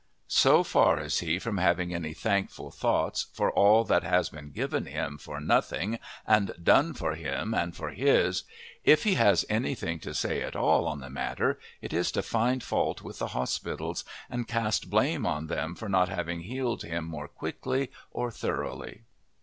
So far is he from having any thankful thoughts for all that has been given him for nothing and done for him and for his, if he has anything to say at all on the matter it is to find fault with the hospitals and cast blame on them for not having healed him more quickly or thoroughly.